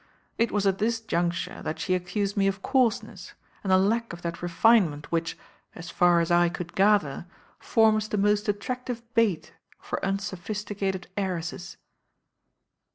It was at this juncture that she accused me of coarseness and a lack of that refinement which,' as far as I could gather, forms the most attractive bait for unsophisticated heiresses."